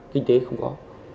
kinh tế không có